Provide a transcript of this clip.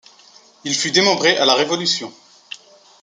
Il fut démembré à la Révolution.